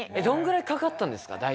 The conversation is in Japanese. どれぐらいかかったんですか？